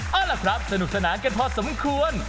เอาล่ะครับสนุกสนานกันพอสมควร